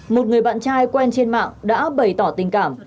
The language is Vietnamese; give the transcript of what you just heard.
một người bạn trai quen trên mạng đã bày tỏ tình cảm